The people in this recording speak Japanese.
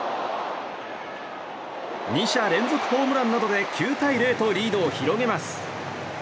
２者連続ホームランなどで９対０とリードを広げます。